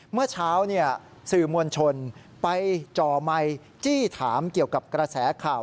เมื่อเช้าสื่อมวลชนไปจ่อไมค์จี้ถามเกี่ยวกับกระแสข่าว